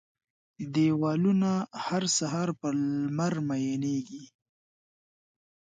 دیوالونه، هر سهار په لمر میینیږې